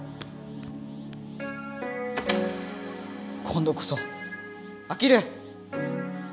今度こそあける！